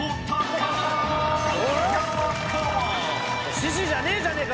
獅子じゃねえじゃねえか！